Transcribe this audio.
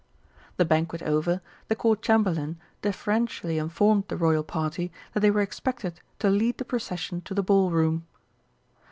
The banquet over, the Court Chamberlain deferentially informed the Royal Party that they were expected to lead the procession to the Ball Room.